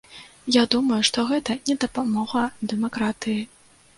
Я думаю, што гэта не дапамога дэмакратыі.